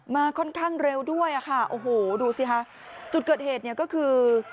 ค่อนข้างเร็วด้วยอ่ะค่ะโอ้โหดูสิค่ะจุดเกิดเหตุเนี่ยก็คือ